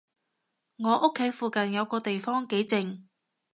我屋企附近有個地方幾靜